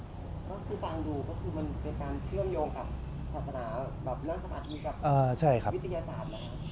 ก็คือฟังดูก็คือมันเป็นการเชื่อมโยงกับศาสนาแบบนั้นสวัสดีกับวิทยาศาสตร์แล้ว